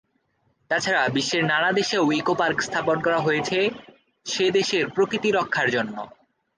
তাছাড়া বিশ্বের নানা দেশেও ইকোপার্ক স্থাপন করা হয়েছে সে দেশের প্রকৃতি রক্ষার জন্য।